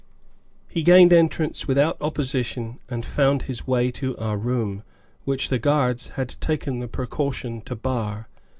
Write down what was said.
He gained entrance without opposition and found his way to our room, which the guards had taken the precaution to bar.